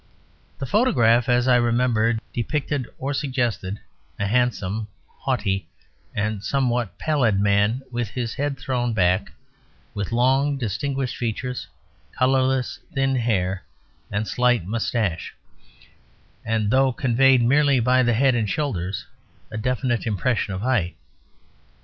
The photograph, as I remember it, depicted or suggested a handsome, haughty, and somewhat pallid man with his head thrown back, with long distinguished features, colourless thin hair and slight moustache, and though conveyed merely by the head and shoulders, a definite impression of height.